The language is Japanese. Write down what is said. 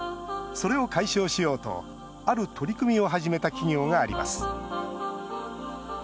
それを解消しようとある取り組みを始めた企業があります。